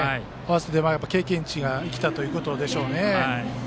経験値が生きたということでしょうね。